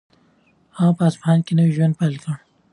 هغه په اصفهان کې د نوي ژوند پیل وکړ.